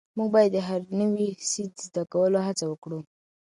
موږ باید د هر نوي سی د زده کولو هڅه وکړو.